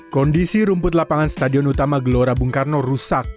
kondisi rumput lapangan stadion utama gelora bung karno rusak